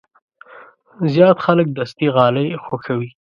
زیات خلک دستي غالۍ خوښوي.